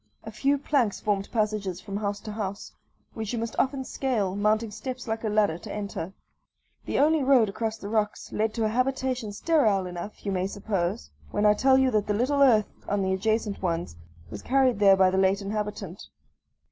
A few planks formed passages from house to house, which you must often scale, mounting steps like a ladder to enter. The only road across the rocks leads to a habitation sterile enough, you may suppose, when I tell you that the little earth on the adjacent ones was carried there by the late inhabitant.